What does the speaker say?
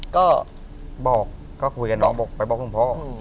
ก็บอกก็คุยกันแล้วบอกไปบอกลุงพ่อ